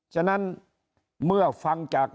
ฉะนั้นเมื่อฟังจาก